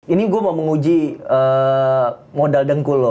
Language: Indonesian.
ini gue mau menguji modal dengkul lo